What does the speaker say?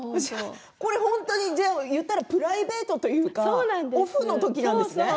言ったらプライベートというかオフの時なんですね